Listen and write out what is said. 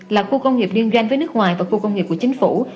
là khu công nghiệp liên doanh với nước ngoài và khu công nghiệp của chính phủ